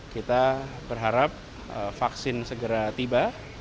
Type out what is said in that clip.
kita berharap vaksin segera tiba